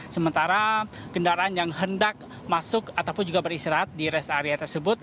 sementara kendaraan yang hendak masuk ataupun juga beristirahat di rest area tersebut